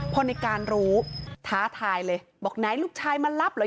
พอในการรู้ท้าทายเลยบอกไหนลูกชายมารับเหรอ